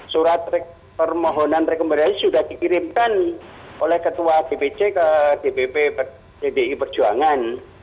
surat permohonan rekomendasi sudah dikirimkan oleh ketua dpc ke dpp pdi perjuangan